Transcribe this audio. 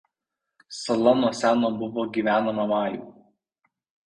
Sala nuo seno buvo gyvenama majų.